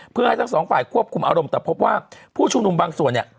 เพื่อให้ทั้งสองฝ่ายควบคุมอารมณ์แต่พบว่าผู้ชุมนุมบางส่วนเนี่ย